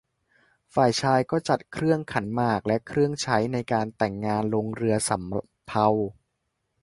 ฝ่ายชายก็จัดเครื่องขันหมากและเครื่องใช้ในการแต่งงานลงเรือสำเภา